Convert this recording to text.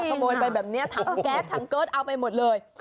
ขโมยไปแบบนี้ถังแก๊สถังเกิร์ตเอาไปหมดเลย